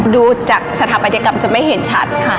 ดูจากสถาปัตยกรรมจะไม่เห็นชัดค่ะ